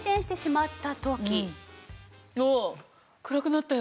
暗くなったよ。